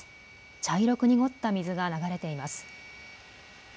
茶色く濁った水が流れています。